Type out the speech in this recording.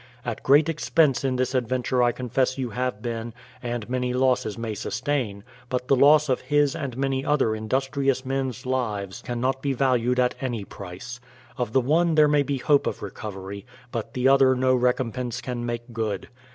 At great expense in this adventure I confess you have been, and many losses may sustain ; but the loss of his and many other industrious men's lives cannot be valued at any price. Of the one there may be hope of recovery, but the other no recompense can make good.